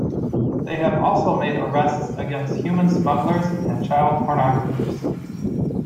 They have also made arrests against human smugglers and child pornographers.